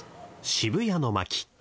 渋谷の巻」